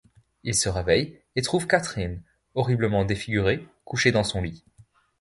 Il se réveille et trouve Catherine, horriblement défigurée, couchée dans son lit.